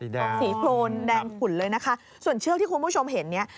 แดงสีโครนแดงขุนเลยนะคะส่วนเชือกที่คุณผู้ชมเห็นเนี้ย